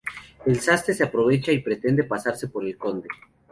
El sastre se aprovecha y pretende pasarse por el conde.